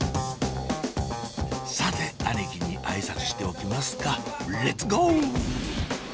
さて兄貴に挨拶しておきますかレッツゴー！